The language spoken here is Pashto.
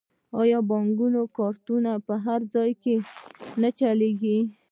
آیا بانکي کارتونه په هر ځای کې نه چلیږي؟